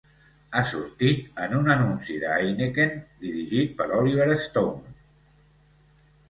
Ha sortit en un anunci de Heineken dirigit per Oliver Stone.